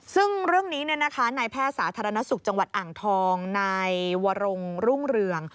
ซึ่งเรื่องนี้นายแพทย์สาธารณสุขจังหวัดอ่างทองนายวรงรุ่งเรือง